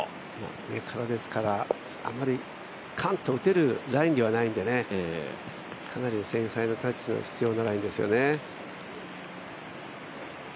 上からですからあまりカン！と打てるラインではないので、かなり繊細なタッチが必要なラインですよね。